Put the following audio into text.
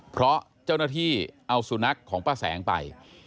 เพราะเจ้าหน้าที่เอาสุนัขของป้าแสงไป